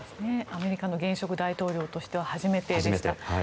アメリカの現職大統領としては初めてでした。